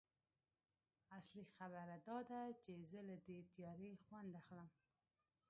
اصلي خبره دا ده چې زه له دې تیارې خوند اخلم